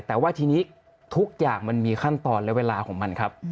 แต่ว่าทีนี้ทุกอย่างมันมีขั้นตอนและเวลาของมันครับ